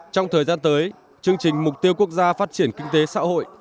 trong thời gian tới chương trình mục tiêu quốc gia phát triển kinh tế xã hội